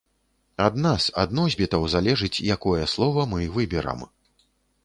Ад нас, ад носьбітаў, залежыць, якое слова мы выберам.